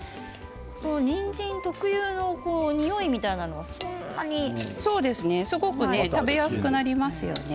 にんじん特有のにおいなんかはすごく食べやすくなりますよね。